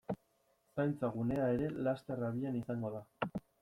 Zaintza gunea ere laster abian izango da.